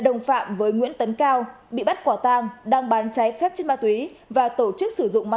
đồng phạm với nguyễn tấn cao bị bắt quả tang đang bán cháy phép chất ma túy và tổ chức sử dụng ma